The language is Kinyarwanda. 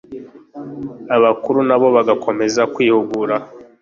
abakuru na bo bagakomeza kwihugura